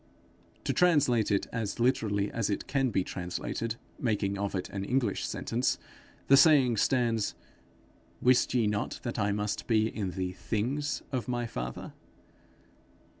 To translate it as literally as it can be translated, making of it an English sentence, the saying stands, 'Wist ye not that I must be in the things of my father?'